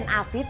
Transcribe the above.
nanti aku jalan